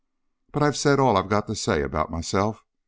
But I've said all I've got to say about myself.